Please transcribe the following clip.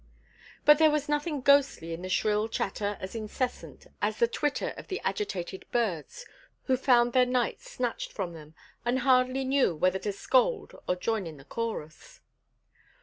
But there was nothing ghostly in the shrill chatter as incessant as the twitter of the agitated birds, who found their night snatched from them and hardly knew whether to scold or join in the chorus.